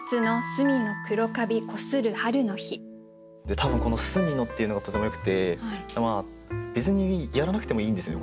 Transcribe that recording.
多分この「隅の」っていうのがとてもよくて別にやらなくてもいいんですよね